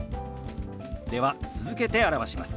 では続けて表します。